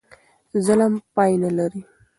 ظلم پای نه لري.